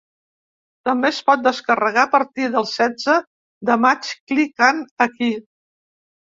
També es pot descarregar a partir del setze de maig clicant aquí.